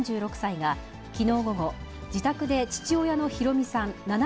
４６歳がきのう午後、自宅で父親の弘美さん